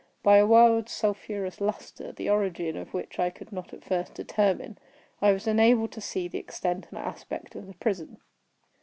By a wild sulphurous lustre, the origin of which I could not at first determine, I was enabled to see the extent and aspect of the prison.